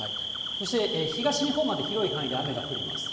そして東日本まで、広い範囲で雨が降ります。